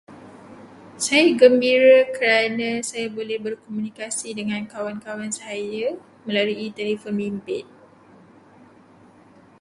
Saya gembira kerana saya boleh berkomunikasi dengan kawan-kawan saya melalui telefon bimbit.